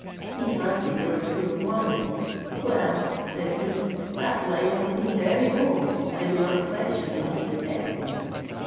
He fancied they were full of wine: "Well," said he, "that wine must be very old, I do not question but it is excellent."